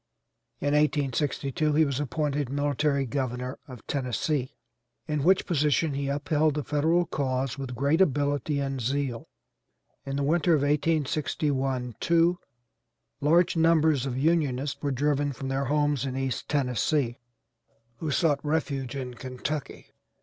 In 1862 he was appointed military governor of Tennessee, in which position he upheld the Federal cause with great ability and zeal. In the winter of 1861 2 large numbers of Unionists were driven from their homes in East Tennessee, who sought refuge in Kentucky.